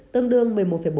tương đương một mươi một bốn